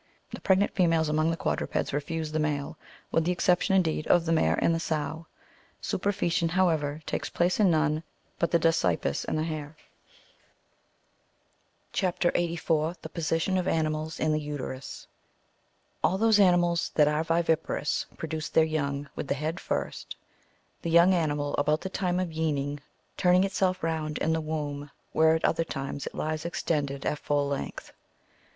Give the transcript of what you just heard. The pregnant females, among the quadrupeds, refuse the male, with the exception, indeed, of the mare and the spw ; superfcetation, however, takes place in none but the dasypus and the hare. CHAP. 84. (64.) — THE POSITION OP ANIMALS IN THE TJTERrS. All those animals that are viviparous produce their young with the head first, the young animal about the time of yeaning turning itself round in the womb, where at other times it lies extended at full length.